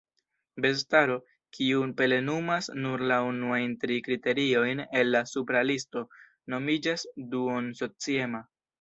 Bestaro, kiu plenumas nur la unuajn tri kriteriojn el la supra listo, nomiĝas duon-sociema.